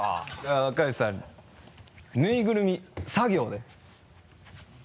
若林さん「ぬいぐるみ」「さ行」で。